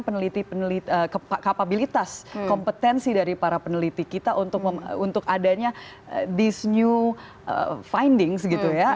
peneliti peneliti kapabilitas kompetensi dari para peneliti kita untuk adanya this new finding gitu ya